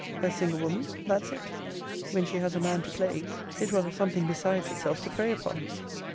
A single woman; that's it. When she has a man to plague, it will have something besides itself to prey upon.